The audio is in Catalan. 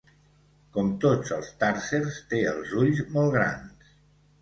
Com tots els tarsers té els ulls molt grans.